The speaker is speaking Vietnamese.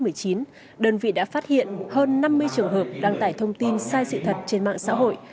đơn vị đã phát hiện hơn năm mươi trường hợp đăng tải thông tin sai sự thật trên mạng xã hội